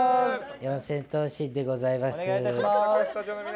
四千頭身でございます。